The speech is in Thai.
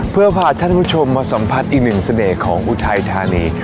เพื่อพาท่านผู้ชมมาสัมผัสอีกหนึ่งเสน่ห์ของอุทัยธานี